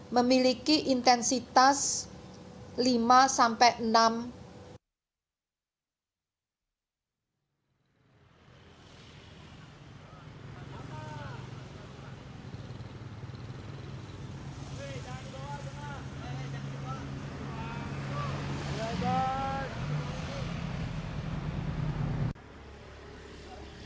memiliki intensitas lima sampai enam mmi